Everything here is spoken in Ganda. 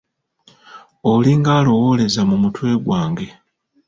Olinga alowooleza mu mutwe ggwange!